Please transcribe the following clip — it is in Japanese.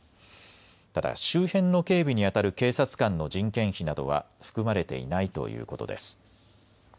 ただ周辺の警備にあたる警察官の人件費などは含まれていないということです。